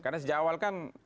karena sejak awal kan